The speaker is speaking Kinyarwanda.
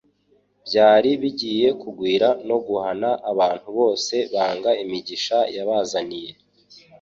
byari bigiye kugwira no guhana abantu bose banga imigisha yabazaniye.